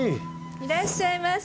いらっしゃいませ。